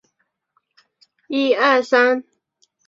林恩镇区为美国堪萨斯州华盛顿县辖下的镇区。